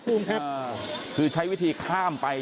คุณภูริพัฒน์บุญนิน